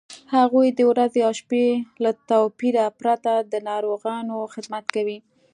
هغوی د ورځې او شپې له توپیره پرته د ناروغانو خدمت کوي.